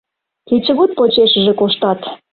Кечыгут почешыже коштат.